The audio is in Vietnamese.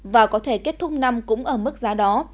và có thể kết thúc năm cũng ở mức giá đó